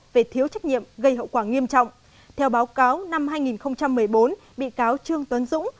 về thiếu trách nhiệm gây hậu quả nghiêm trọng theo báo cáo năm hai nghìn một mươi bốn bị cáo trương tuấn dũng